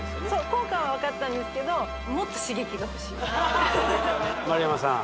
効果はわかったんですけどもっと刺激が欲しい丸山さん